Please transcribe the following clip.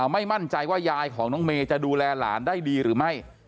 ไม่มั่นใจว่ายายของน้องเมย์จะดูแลหลานได้ดีหรือไม่